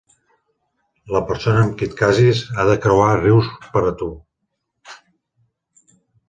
La persona amb qui et casis ha de creuar rius per a tu!